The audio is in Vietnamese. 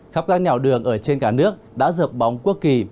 khắp các nẻo đường ở trên cả nước đã dợp bóng quốc kỳ